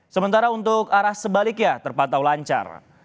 sementara untuk arah sebaliknya terpantau lancar